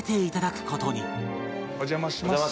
お邪魔します。